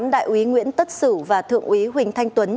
đại úy nguyễn tất sử và thượng úy huỳnh thanh tuấn